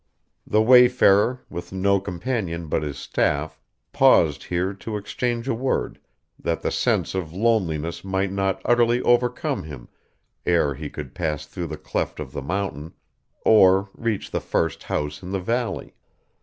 The wayfarer, with no companion but his staff, paused here to exchange a word, that the sense of loneliness might not utterly overcome him ere he could pass through the cleft of the mountain, or reach the first house in the valley.